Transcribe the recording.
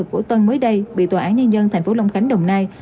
của tân mới đây bị tòa án nhân dân thành phố long khánh đồng nai